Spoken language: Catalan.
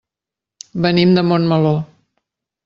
Venim de Montmeló.